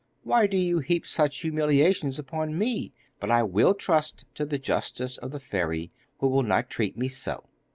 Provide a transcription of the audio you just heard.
Why do you heap such humiliations upon me? But I will trust to the justice of the fairy, who will not treat me so.